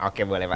oke boleh pak